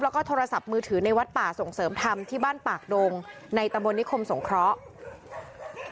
แล้วก็โทรศัพท์มือถือในวัดป่าส่งเสริมธรรมที่บ้านปากดงในตำบลนิคมสงเคราะห์